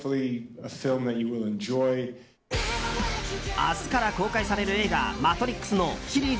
明日から公開される映画「マトリックス」のシリーズ